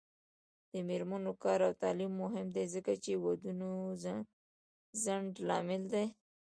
د میرمنو کار او تعلیم مهم دی ځکه چې ودونو ځنډ لامل دی.